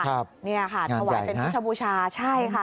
ครับเนี่ยค่ะงานใหญ่นะถวายเป็นพุทธบูชาใช่ค่ะ